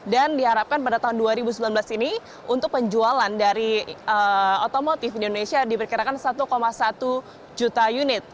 dan diharapkan pada tahun dua ribu sembilan belas ini untuk penjualan dari otomotif di indonesia diperkirakan satu satu juta unit